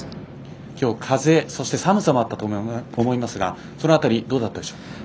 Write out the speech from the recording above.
今日は風も寒さもあったと思いますがその辺り、どうだったでしょう。